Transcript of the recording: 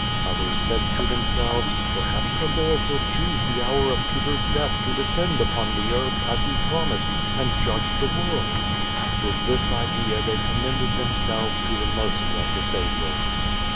Others said to themselves, "Perhaps the Lord will choose the hour of Peter's death to descend upon the earth, as He promised, and judge the world." With this idea they commended themselves to the mercy of the Saviour.